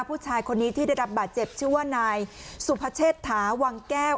ผู้ชายคนนี้ที่ได้รับบาดเจ็บชื่อว่านายสุพเชษฐาวังแก้ว